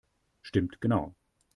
Stimmt genau!